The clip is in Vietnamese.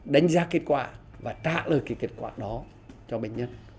đánh giá kết quả và trả lời cái kết quả đó cho bệnh nhân